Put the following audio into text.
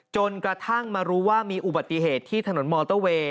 จนกระทั่งมารู้ว่ามีอุบัติเหตุที่ถนนมอเตอร์เวย์